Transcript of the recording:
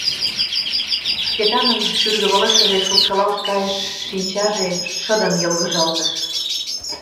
Шкетанын шӱргывылышыже шупшылалт кайыш, шинчаже шыдын йылгыжалтыш.